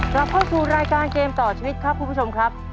กลับเข้าสู่รายการเกมต่อชีวิตครับคุณผู้ชมครับ